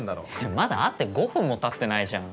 まだ会って５分もたってないじゃん。